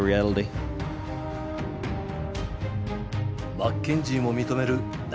マッケンジーも認める流。